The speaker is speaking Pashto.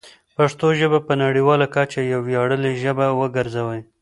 پښتو ژبه په نړیواله کچه یوه ویاړلې ژبه وګرځوئ.